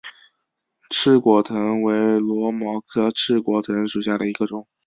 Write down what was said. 翅果藤为萝藦科翅果藤属下的一个种。